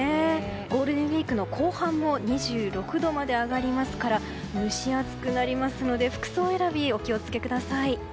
ゴールデンウィークの後半も２６度まで上がりますから蒸し暑くなりますので服装選び、お気を付けください。